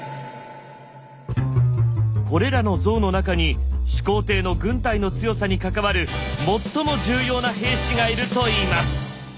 これらの像の中に始皇帝の軍隊の強さに関わる最も重要な兵士がいるといいます。